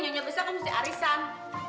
nyonya besar kan mesti arisan